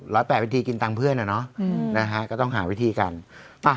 แปดวิธีกินตังค์เพื่อนอ่ะเนอะอืมนะฮะก็ต้องหาวิธีการป่ะ